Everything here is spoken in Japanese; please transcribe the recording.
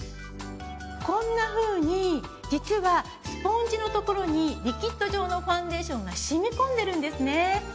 こんなふうに実はスポンジのところにリキッド状のファンデーションがしみこんでるんですね。